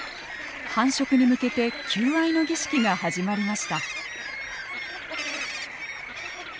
繁殖に向けて求愛の儀式が始まりました。